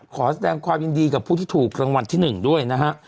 แสดงความยินดีกับผู้ที่ถูกรางวัลที่๑ด้วยนะฮะ